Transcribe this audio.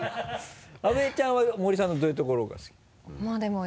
阿部ちゃんは森さんのどういう所が好きなの？